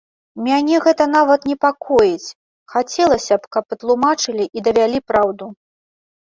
Мяне гэта нават непакоіць, хацелася б, каб патлумачылі і давялі праўду.